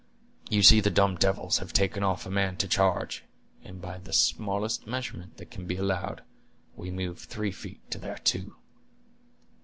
You see the dumb devils have taken off a man to charge, and by the smallest measurement that can be allowed, we move three feet to their two!"